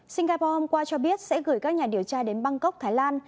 singapore hôm qua cho biết sẽ gửi các nhà điều tra đến bangkok thái lan